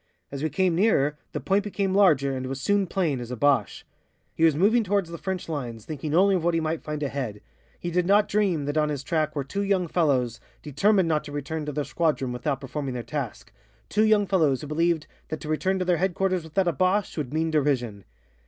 As we came nearer, the point became larger and was soon plain, as a Boche. He was moving towards the French lines, thinking only of what he might find ahead. He did not dream that on his track were two young fellows determined not to return to the squadron without performing their task, two young fellows who believed that to return to headquarters without a Boche would mean derision.